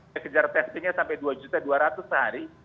dia kejar testingnya sampai dua dua juta sehari